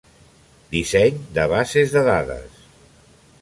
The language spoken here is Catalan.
Disseny de bases de dades.